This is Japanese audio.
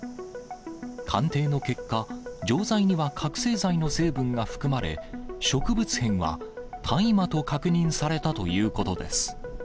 鑑定の結果、錠剤には覚醒剤の成分が含まれ、植物片は大麻と確認されたということです。